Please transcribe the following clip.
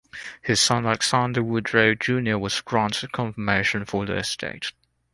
His son Alexander Woodrow Junior was granted confirmation for the estate.